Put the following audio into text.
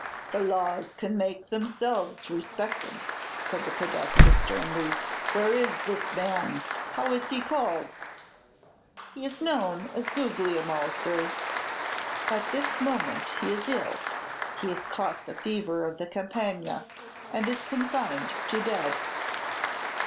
"The laws can make themselves respected," said the Podestà, sternly. "Where is this man, how is he called?" "He is known as Guglielmo, sir. At this moment he is ill; he has caught the fever of the Campagna, and is confined to bed."